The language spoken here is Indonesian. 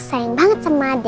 sayang banget sama dede keisha